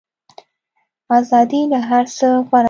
ازادي له هر څه غوره ده.